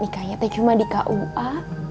nikah nyete cuman di kua